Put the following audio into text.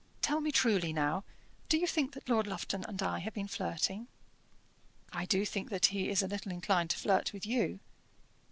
"Tell me truly now, do you think that Lord Lufton and I have been flirting?" "I do think that he is a little inclined to flirt with you."